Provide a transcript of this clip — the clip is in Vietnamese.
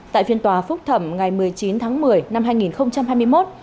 tại phiên tòa phúc thẩm ngày một mươi chín tháng một mươi năm hai nghìn hai mươi một